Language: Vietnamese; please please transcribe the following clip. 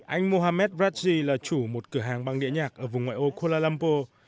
anh mohammed raji là chủ một cửa hàng băng đĩa nhạc ở vùng ngoại ô kuala lumpur